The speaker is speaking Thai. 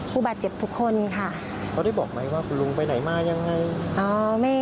พอได้บอกไหมว่าคุณลุงไปไหนมายังไง